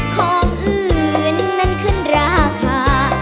ของอื่นนั้นขึ้นราคา